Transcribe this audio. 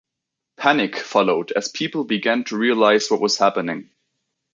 Panic followed as people began to realize what was happening.